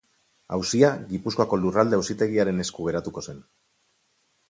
Auzia Gipuzkoako Lurralde Auzitegiaren esku geratuko zen.